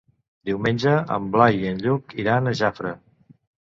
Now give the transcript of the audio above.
Diumenge en Blai i en Lluc iran a Jafre.